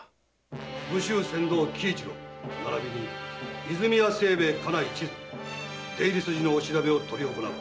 武州船頭・喜一郎並びに和泉屋清兵衛家内・千津出入り筋のお調べを執り行う。